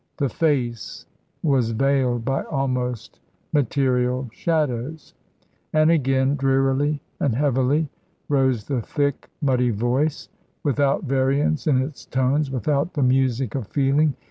The face was veiled by almost material shadows. And again, drearily and heavily, rose the thick, muddy voice, without variance in its tones, without the music of feeling.